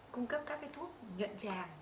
cung cấp các cái thuốc nhận tràng